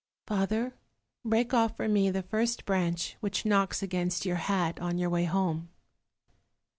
"Father, break off for me the first branch which knocks against your hat on your way home."